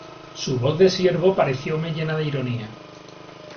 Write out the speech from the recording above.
su voz de siervo parecióme llena de ironía :